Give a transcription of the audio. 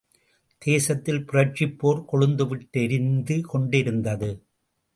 தேசத்தில் புரட்சிப் போர் கொழுந்துவிட்டெரிந்து கொண்டிருந்தது.